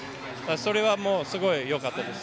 それはもう、すごいよかったです。